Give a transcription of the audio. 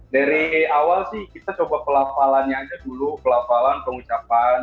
dari awal sih kita coba pelafalannya aja dulu pelafalan pengucapan